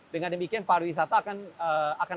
dengan demikian pariwisata akan